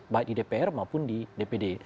baik di dpr maupun di dpd